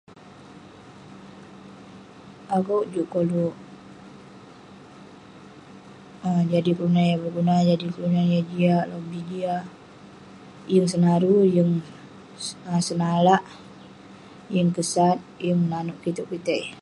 akouk juk koluk um jadi kelunan yah berguna, jadi kelunan yah jiak, lobih jiak, yeng senaru, yeng senalak, yeng kesat, yeng nanouk kitouk kitey